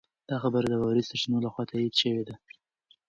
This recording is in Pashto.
دا خبر د باوري سرچینو لخوا تایید شوی دی.